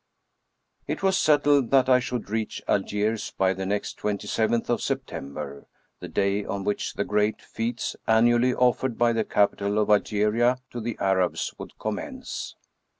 It was settled that I should reach Algiers by the next 27th of September, the day on which the great fetes an 222 M. Robert'Houdin^ nually offered by the capital of Algeria to the Arabs would commence.